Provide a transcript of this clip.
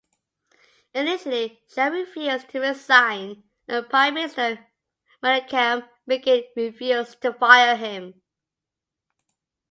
Initially, Sharon refused to resign, and Prime Minister Menachem Begin refused to fire him.